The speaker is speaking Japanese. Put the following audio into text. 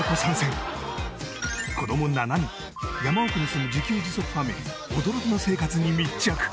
子供７人山奥に住む自給自足ファミリー驚きの生活に密着。